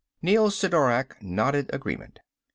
Neel Sidorak nodded agreement.